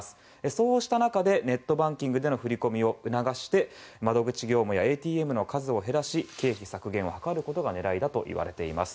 そうした中でネットバンキングでの振り込みを促して窓口業務やＡＴＭの数を減らし経費削減を図ることが狙いだといわれています。